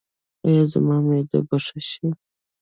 ایا زما معده به ښه شي؟